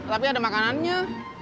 tapi ada makanannya